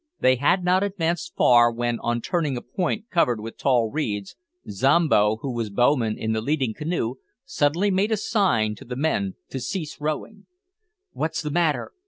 They had not advanced far, when, on turning a point covered with tall reeds, Zombo, who was bowman in the leading canoe, suddenly made a sign to the men to cease rowing. "What's the matter?"